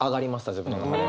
自分の中で。